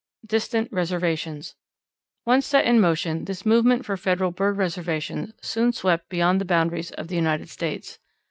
Distant Reservations. Once set in motion, this movement for Federal bird reservations soon swept beyond the boundaries of the United States.